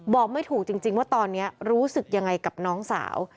ไม่ถูกจริงว่าตอนนี้รู้สึกยังไงกับน้องสาว